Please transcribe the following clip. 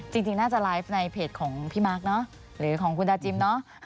จริงน่าจะไลฟ์ในเพจของพี่มาร์คเนอะหรือของคุณดาจิมเนอะ